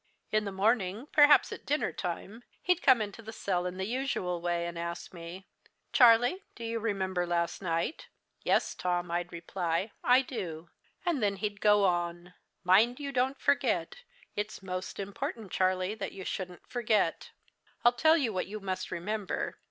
"In the morning, perhaps at dinner time, he'd come into the cell in the usual way, and ask me: "'Charlie, do you remember last night?' 'Yes, Tom,' I'd reply, 'I do.' And then he'd go on: "'Mind you don't forget. It's most important, Charlie, that you shouldn't forget. I'll tell you what you must remember.